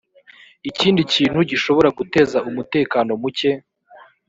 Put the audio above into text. ikindi kintu gishobora guteza umutekano muke